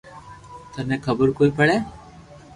ٿني خبر ڪوئي پڙي